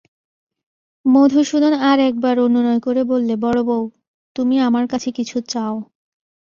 মধুসূদন আর-একবার অনুনয় করে বললে, বড়োবউ, তুমি আমার কাছে কিছু চাও।